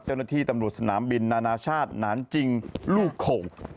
เจ้าหน้าที่ตำรวจสนามบินนานาชาติหนานจริงลูกโข่ง